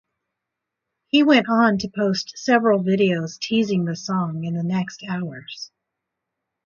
He went on to post several videos teasing the song in the next hours.